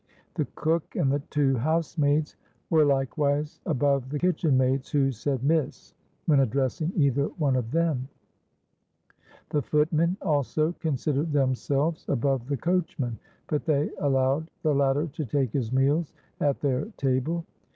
The cook and the two housemaids were likewise above the kitchen maids, who said 'Miss' when addressing either one of them. The footmen also considered themselves above the coachman; but they allowed the latter to take his meals at their table.